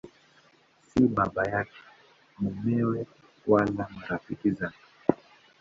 Si baba yake, mumewe wala marafiki zake.